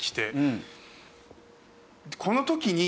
この時に。